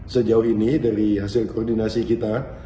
sejauh ini dari hasil koordinasi kita